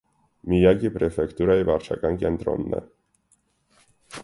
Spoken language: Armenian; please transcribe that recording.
Միյագի պրեֆեկտուրայի վարչական կենտրոնն Է։